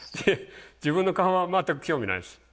自分の顔は全く興味ないです。